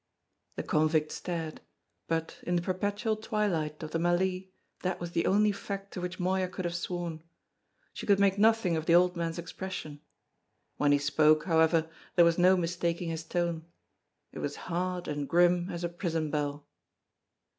The convict stared; but, in the perpetual twilight of the mallee that was the only fact to which Moya could have sworn. She could make nothing of the old man's expression. When he spoke, however, there was no mistaking his tone. It was hard and grim as a prison bell.